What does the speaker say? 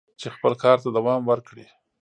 چې خپل کار ته دوام ورکړي."